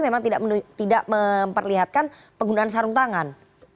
memang tidak memperlihatkan penggunaan sarung tangan